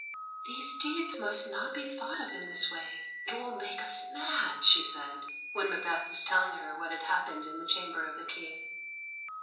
"These deeds must not be thought of in this way; it will make us mad," she said, when Macbeth was telling her what had happened in the chamber of the King.